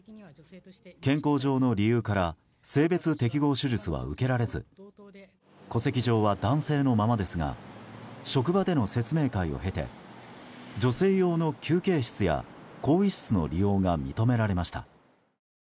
健康上の理由から性別適合手術は受けられず戸籍上は男性のままですが職場での説明会を経て女性用の休憩室や更衣室の利用が認められました。